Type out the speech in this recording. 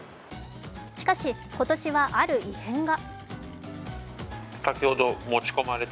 しかし、今年はある異変が。